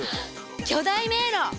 巨大迷路！